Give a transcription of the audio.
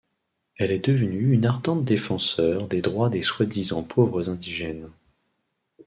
Elle est devenue une ardente défenseure des droits des soi-disant pauvres indigènes.